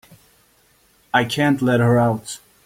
I can't let her out.